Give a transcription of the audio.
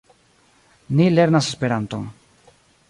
Ni lernas Esperanton.